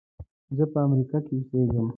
زه په امریکا کې اوسېږم.